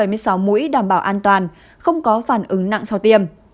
mỗi đảm bảo an toàn không có phản ứng nặng sau tiêm